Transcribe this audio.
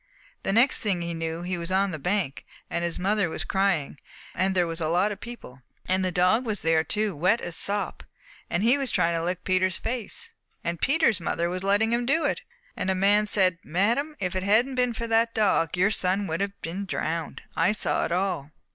The next thing he knew he was on the bank, and his mother was crying, and there was a lot of people, and the dog was there wet as sop, and he was trying to lick Peter's face, and Peter's mother was letting him do it. And a man said, 'Madame, if it hadn't been for that dog, your son would have been drowned. I saw it all.'